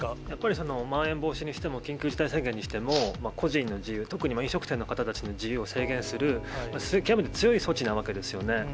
やっぱりまん延防止にしても緊急事態宣言にしても、個人の自由、特に飲食店の方たちの自由を制限する、極めて強い措置なわけですよね。